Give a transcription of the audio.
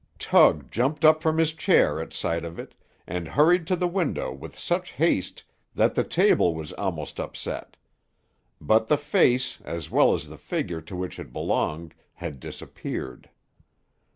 Tug jumped up from his chair at sight of it, and hurried to the window with such haste that the table was almost upset; but the face, as well as the figure to which it belonged, had disappeared.